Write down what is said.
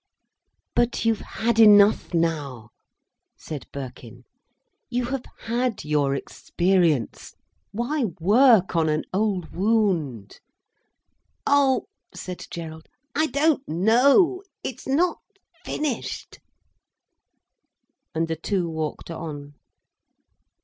"But you've had enough now?" said Birkin. "You have had your experience. Why work on an old wound?" "Oh," said Gerald, "I don't know. It's not finished—" And the two walked on.